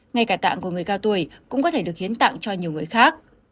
ngay cả tạng của người cao tuổi cũng có thể được hiến tặng cho nhiều người khác